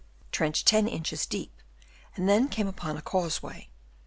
„ 10 inches deep, and then came upon a causeway